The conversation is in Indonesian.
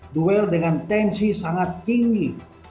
duel dengan tensi sangat tinggi